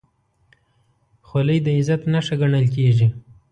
خولۍ د عزت نښه ګڼل کېږي.